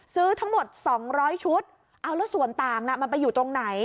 ซื้อทั้งหมด๒๐๐ชุดเอาแล้วส่วนต่างน่ะมันไปอยู่ตรงไหน